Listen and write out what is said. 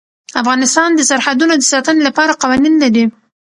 افغانستان د سرحدونه د ساتنې لپاره قوانین لري.